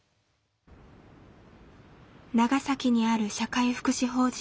長崎にある社会福祉法人。